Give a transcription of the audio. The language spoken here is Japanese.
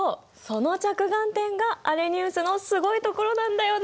その着眼点がアレニウスのすごいところなんだよな。